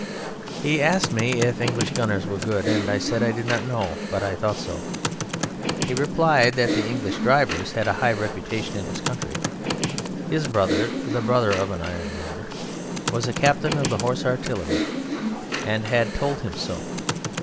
He asked me if English gunners were good. I said I did not know, but I thought so. He replied that the English drivers had a high reputation in his country his brother (the brother of an ironmonger) was a Captain of the Horse Artillery, and had told him so.